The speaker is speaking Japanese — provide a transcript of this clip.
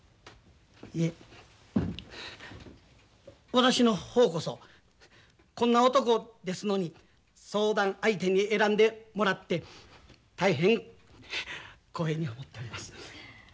私の方こそこんな男ですのに相談相手に選んでもらって大変光栄に思っております。